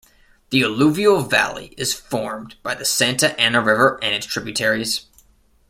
The alluvial valley is formed by the Santa Ana River and its tributaries.